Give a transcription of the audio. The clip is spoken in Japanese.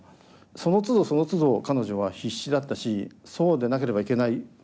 そのつどそのつど彼女は必死だったしそうでなければいけない。